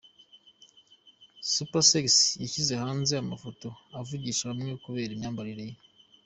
Supersexy yashyize hanze amafoto avugisha bamwe kubera imyambarire ye .